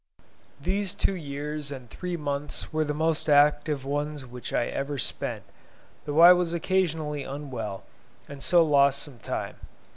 These two years and three months were the most active ones which I ever spent, though I was occasionally unwell, and so lost some time.